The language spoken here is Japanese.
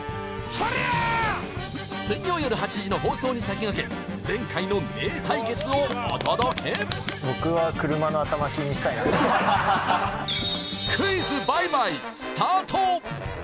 水曜夜８時の放送に先駆け前回の名対決をお届け！スタート！